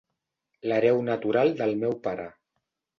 L'hereu natural del meu pare.